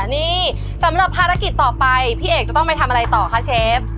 นี่สำหรับภารกิจต่อไปพี่เอกจะต้องไปทำอะไรต่อคะเชฟ